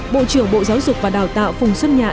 bộ trưởng bộ giáo dục và đào tạo phùng xuân nhạ